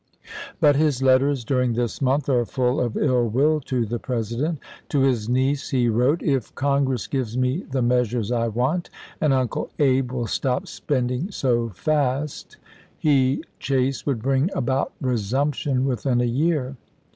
584. But his letters during this month are full of ill will to the President. To his niece he wrote :" If Con gress gives me the measures I want, and Uncle Abe will stop spending so fast," he, Chase, would bring d. Tjfraith, about resumption within a year.